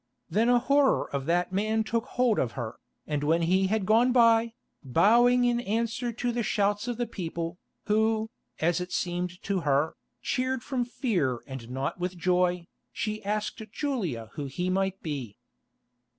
Then a horror of that man took hold of her, and when he had gone by, bowing in answer to the shouts of the people, who, as it seemed to her, cheered from fear and not with joy, she asked Julia who he might be.